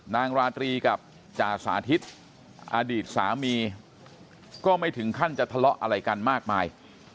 ราตรีกับจ่าสาธิตอดีตสามีก็ไม่ถึงขั้นจะทะเลาะอะไรกันมากมาย